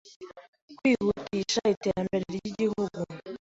kwihutisha iterambere ry’Igihugu